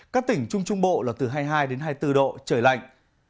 các tỉnh trung trung bộ là từ hai mươi hai đến hai mươi bốn độ trời lạnh